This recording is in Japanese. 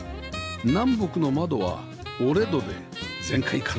南北の窓は折れ戸で全開可能